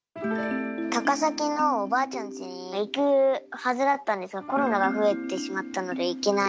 高崎のおばあちゃんちに行くはずだったんですが、コロナが増えてしまったので行けない。